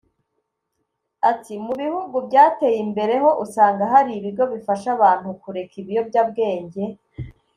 Ati “Mu bihugu byateye imbere ho usanga hari ibigo bifasha abantu kureka ibiyobyabwenge